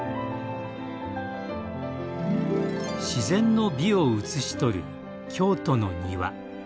自然の美を映しとる京都の庭。